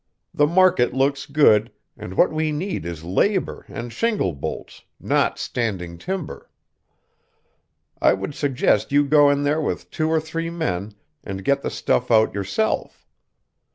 The market looks good, and what we need is labor and shingle bolts, not standing timber. I would suggest you go in there with two or three men and get the stuff out yourself.